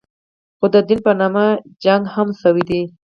خو د دین په نامه جګړې هم شوې دي.